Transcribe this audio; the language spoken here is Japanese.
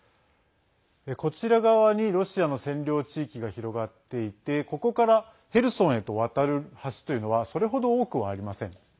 こちら側にロシアの占領地域が広がっていてここからヘルソンへと渡る橋というのはそれほど多くはありません。